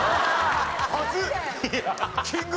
恥ずっ！